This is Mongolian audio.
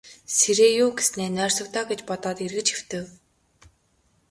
Сэрээе юү гэснээ нойрсог доо гэж бодоод эргэж хэвтэв.